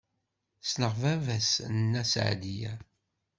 Ssneɣ baba-s n Nna Seɛdiya.